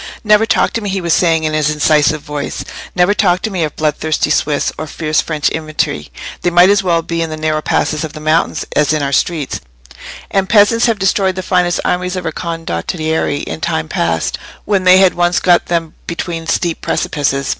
"Never talk to me," he was saying, in his incisive voice, "never talk to me of bloodthirsty Swiss or fierce French infantry: they might as well be in the narrow passes of the mountains as in our streets; and peasants have destroyed the finest armies of our condottieri in time past, when they had once got them between steep precipices.